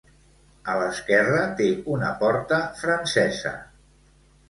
A l'esquerra té una porta francesa.